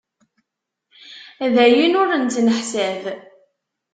D ayen ur nettneḥsab.